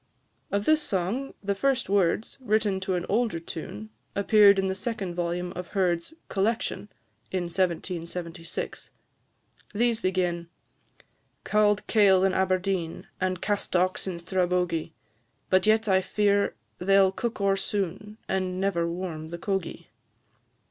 Of this song, the first words, written to an older tune, appeared in the second volume of Herd's "Collection," in 1776. These begin "Cauld kail in Aberdeen, And castocks in Strabogie; But yet I fear they 'll cook o'er soon, And never warm the cogie."